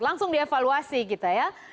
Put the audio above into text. langsung dievaluasi gitu ya